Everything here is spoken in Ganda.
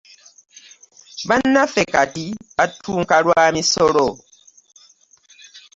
Bannaffe kati battunka lwa misolo.